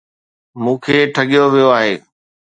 مون کي ٺڳيو ويو آهي